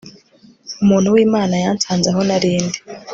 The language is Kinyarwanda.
umuntu w'imana yansanze aho nari ndi